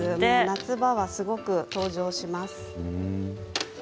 夏場はすごく登場します。